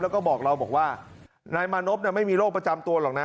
แล้วก็บอกเราบอกว่านายมานพไม่มีโรคประจำตัวหรอกนะ